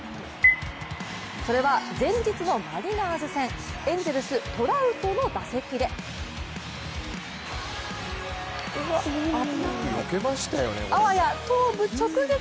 それは前日のマリナーズ戦、エンゼルス・トラウトの打席であわや頭部直撃。